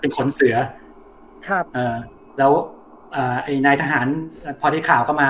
ขนเสือครับเอ่อแล้วอ่าไอ้นายทหารพอได้ข่าวเข้ามา